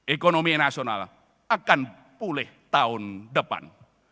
ekonomi nasional akan pulih tahun depan